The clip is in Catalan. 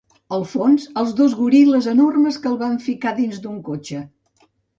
Al fons, els dos goril·les enormes que el van ficar dins d'un cotxe.